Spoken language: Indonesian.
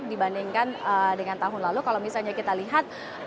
dibandingkan dengan tahun lalu kalau misalnya kita lihat